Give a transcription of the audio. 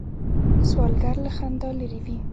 سوالګر له خندا لرې وي